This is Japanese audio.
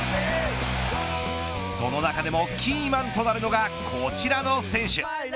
その中でもキーマンとなるのがこちらの選手。